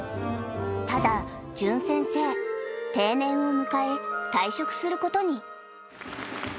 ただ、淳先生、定年を迎え、退職することに。